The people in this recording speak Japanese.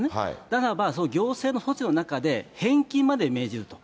ならば、その行政の措置の中で返金まで命じると。